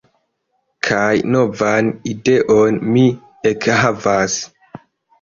Kaj novan ideon mi ekhavas.